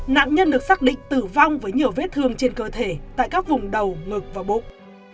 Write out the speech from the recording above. nạn nhân được xác định tử vong với nhiều vết thương trên cơ thể tại các vùng đầu ngực và bụng